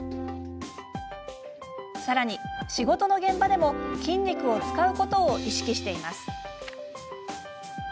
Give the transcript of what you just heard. さらに、仕事の現場でも筋肉を使うことを意識しています。